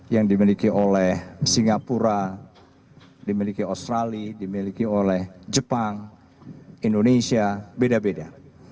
yang dimiliki oleh singapura dimiliki australia dimiliki oleh jepang indonesia beda beda